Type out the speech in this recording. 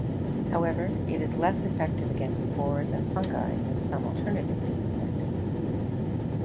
However, it is less effective against spores and fungi than some alternative disinfectants.